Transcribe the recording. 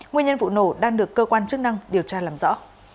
nguyên nhân vụ nổ đang được cơ quan chức năng điều tra làm rõ